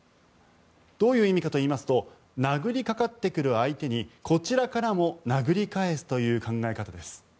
どういう意味かといいますと殴りかかってくる相手にこちらからも殴り返すという考え方です。